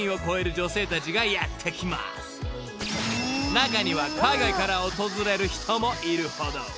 ［中には海外から訪れる人もいるほど］